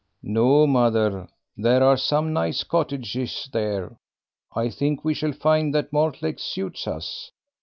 "No, mother, there are some nice cottages there. I think we shall find that Mortlake suits us.